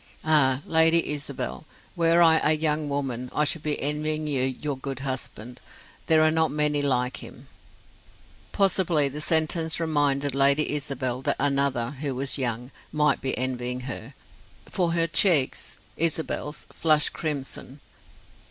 Ah, Lady Isabel, were I a young woman, I should be envying you your good husband; there are not many like him." Possibly the sentence reminded Lady Isabel that another, who was young, might be envying her, for her cheeks Isabel's flushed crimson.